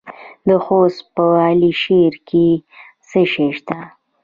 د خوست په علي شیر کې څه شی شته؟